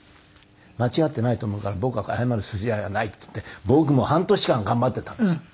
間違っていないと思うから僕は謝る筋合いはないっていって僕も半年間頑張っていたんです。